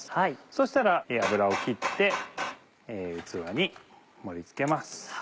そしたら油を切って器に盛り付けます。